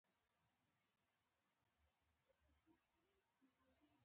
آیا فایبر نوري شبکه پراخه ده؟